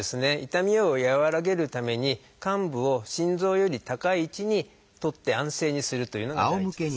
痛みを和らげるために患部を心臓より高い位置に取って安静にするというのが第一ですので。